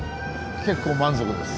結構満足です